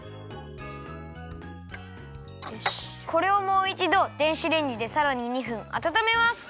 これをもういちど電子レンジでさらに２分あたためます。